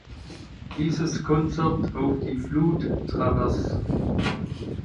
Dieses Concert auf die Flute travers.